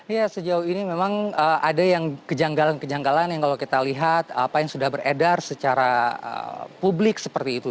ya sejauh ini memang ada yang kejanggalan kejanggalan yang kalau kita lihat apa yang sudah beredar secara publik seperti itu